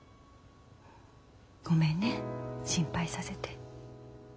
ごめんね心配させて。